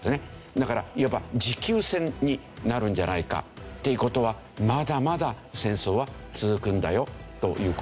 だからいわば持久戦になるんじゃないかっていう事はまだまだ戦争は続くんだよという事ですよね。